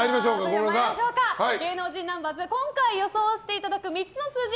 芸能人ナンバーズ今回予想していただく３つの数字